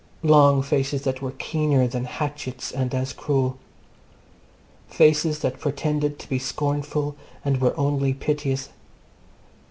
Long faces that were keener than hatchets and as cruel. Faces that pretended to be scornful and were only piteous.